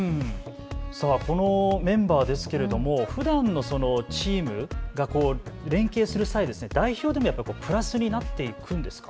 このメンバーですがふだんのチームが連携する際、代表でもプラスになっていくんですか。